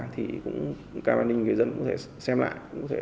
thì camera an ninh người dân cũng có thể xem lại